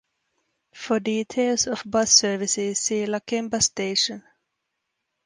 For details of bus services see Lakemba station.